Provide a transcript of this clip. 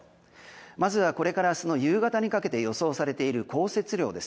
まずはこれから明日の夕方にかけて予想されている降雪量です。